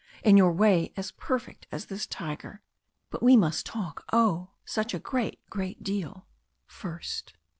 In your way as perfect as this tiger. But we must talk oh! such a great, great deal first."